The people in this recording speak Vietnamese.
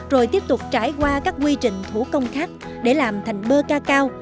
rồi tiếp tục trải qua các quy trình thủ công khác để làm thành bơ ca cao